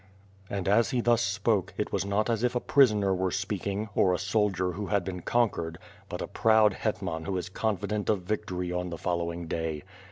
And as he thus spoke, it was not as if a prisoner were speaking, or a soldier who had been conquered, but a proud hetman who is confident of victory on the following day.